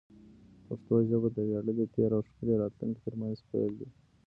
پښتو ژبه زموږ د ویاړلي تېر او ښکلي راتلونکي ترمنځ پل دی.